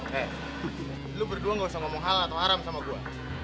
hei lu berdua gak usah ngomong halal atau haram sama gua